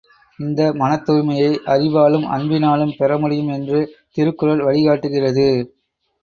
இந்த மனத்தூய்மையை அறிவாலும், அன்பினாலும் பெறமுடியும் என்று திருக்குறள் வழி காட்டுகின்றது.